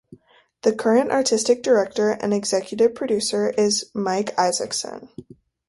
The current artistic director and executive producer is Mike Isaacson.